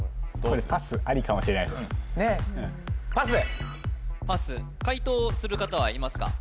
ねえパス解答する方はいますか？